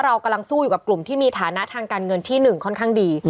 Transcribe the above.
เรากำลังสู้อยู่กับกลุ่มที่มีฐานะทางการเงินที่๑ค่อนข้างดี